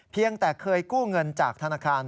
เพียงแต่เคยกู้เงินจากธนาคาร